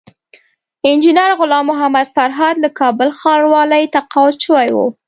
انجينر غلام محمد فرهاد له کابل ښاروالۍ تقاعد شوی وو